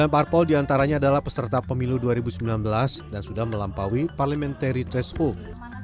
sembilan parpol diantaranya adalah peserta pemilu dua ribu sembilan belas dan sudah melampaui parliamentary threshold